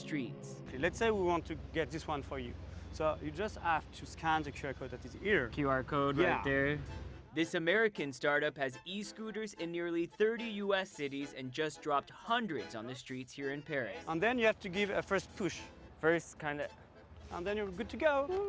residen mengatakan mereka memanahkan lantai dan menyebabkan bahaya pada para penduduk